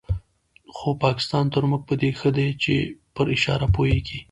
خو پاکستان تر موږ په دې ښه دی چې پر اشاره پوهېږي.